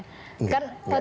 enggak enggak juga